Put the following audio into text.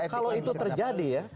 kalau itu terjadi ya